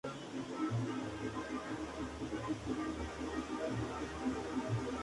Muchos programas similares se han desarrollado para otros sistemas como Windows y Java.